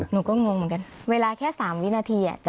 หนูก็งงเหมือนกันเวลาแค่๓วินาทีจัดตั้งค่ะ